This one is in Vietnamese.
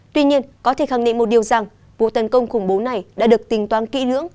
tuy nhiên có thể khẳng định một điều rằng vụ tấn công khủng bố này đã được tính toán kỹ lưỡng